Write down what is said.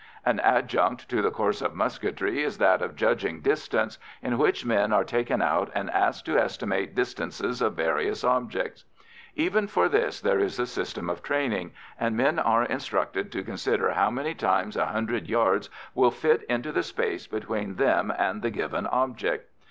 An adjunct to the course of musketry is that of judging distance, in which men are taken out and asked to estimate distances of various objects. Even for this there is a system of training, and men are instructed to consider how many times a hundred yards will fit into the space between them and the given object.